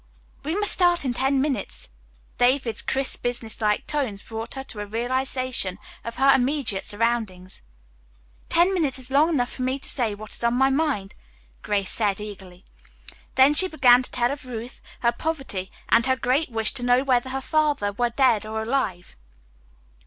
"We must start in ten minutes." David's crisp, business like tones brought her to a realization of her immediate surroundings. "Ten minutes is long enough for me to say what is on my mind," Grace said eagerly. Then she began to tell of Ruth, her poverty, and her great wish to know whether her father were dead or alive.